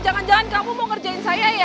jangan jangan kamu mau ngerjain saya ya